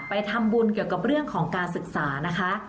ไปทำบุญเกี่ยวกับเรื่องของการศึกษานะคะ